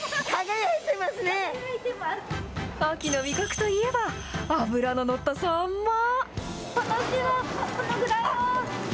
秋の味覚といえば、脂の乗ったサンマ。